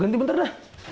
ganti bentar dah